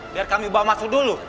biar kami bawa masuk dulu